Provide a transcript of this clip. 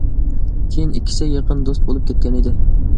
كېيىن ئىككىسى يېقىن دوست بولۇپ كەتكەنىدى.